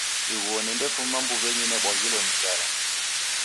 Ighuo nendafuma mbuwenyi nebwaghilo ni njala